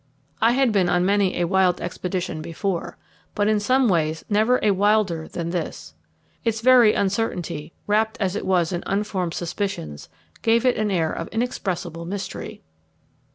I had been on many a wild expedition before, but in some ways never a wilder than this. Its very uncertainty, wrapped as it was in unformed suspicions, gave it an air of inexpressible mystery.